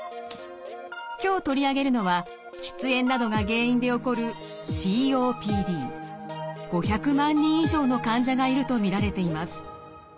今日取り上げるのは喫煙などが原因で起こる５００万人以上の患者がいると見られています。